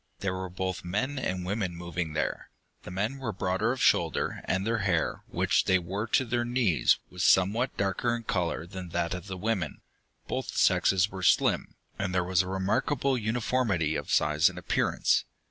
There were both men and women moving there. The men were broader of shoulder, and their hair, which they wore to their knees, was somewhat darker in color than that of the women. Both sexes were slim, and there was a remarkable uniformity of size and appearance.